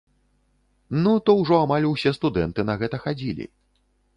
Ну то ўжо амаль усе студэнты на гэта хадзілі.